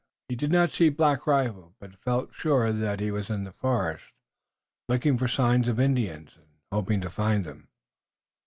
He did not see Black Rifle, but he felt sure that he was in the forest, looking for the signs of Indians and hoping to find them.